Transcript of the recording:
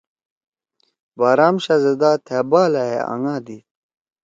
بارام شاھزدہ تھأ بالا ئے انگا دیِد۔